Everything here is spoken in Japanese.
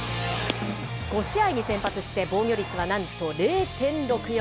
５試合に先発して防御率はなんと０．６４。